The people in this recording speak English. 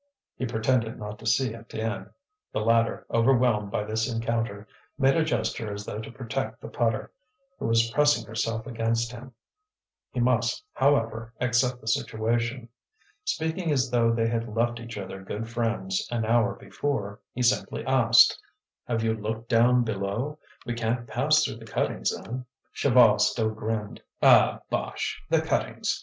He pretended not to see Étienne. The latter, overwhelmed by this encounter, made a gesture as though to protect the putter, who was pressing herself against him. He must, however, accept the situation. Speaking as though they had left each other good friends an hour before, he simply asked: "Have you looked down below? We can't pass through the cuttings, then?" Chaval still grinned. "Ah, bosh! the cuttings!